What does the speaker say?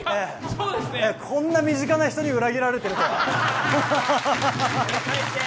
こんな身近な人に裏切られているとは。